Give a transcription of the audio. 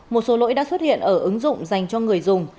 một số lỗi đã xuất hiện ở ứng dụng dành cho người dùng